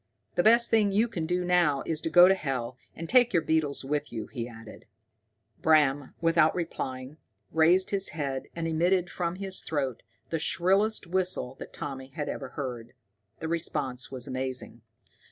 The best thing you can do now is to go to hell, and take your beetles with you," he added. Bram, without replying, raised his head and emitted from his throat the shrillest whistle that Tommy had ever heard. The response was amazing.